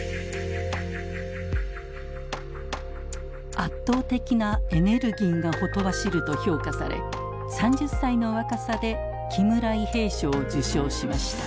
圧倒的なエネルギーがほとばしると評価され３０歳の若さで木村伊兵衛賞を受賞しました。